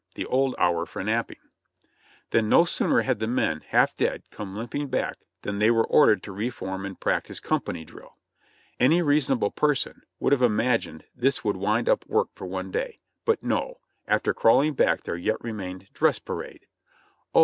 ("The old hour for napping.") Then no sooner had the men, half dead, come limping back than they were ordered to re form and practice "Company drill." Any reasonable person would have imagined this would wind up work for one day, but no ! after crawling back there yet remained "Dress parade." (Oh